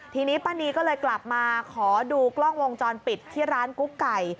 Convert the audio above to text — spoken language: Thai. ทีนี้ป้านีก็เลยกลับมาขอดูกล้องวงจรปิดที่ร้านกุ๊กไก่